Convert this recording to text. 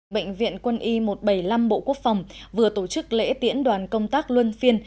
bệnh viện quân y một trăm bảy mươi năm bộ quốc phòng vừa tổ chức lễ tiễn đoàn công tác luân phiên